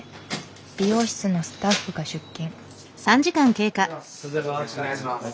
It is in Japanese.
美容室のスタッフが出勤。